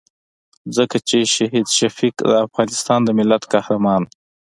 ځکه چې شهید شفیق د افغانستان د ملت قهرمان وو.